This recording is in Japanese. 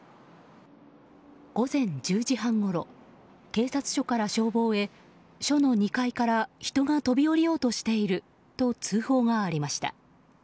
午前１０時半ごろ警察署から消防へ署の２階から人が飛び降りようとしていると通報がありました。